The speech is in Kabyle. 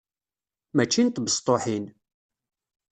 Mačči n tbestuḥin!